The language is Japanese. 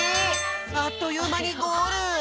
あっというまにゴール！